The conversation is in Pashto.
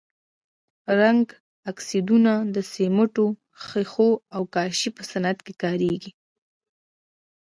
رنګه اکسایدونه د سمنټو، ښيښو او کاشي په صنعت کې کاریږي.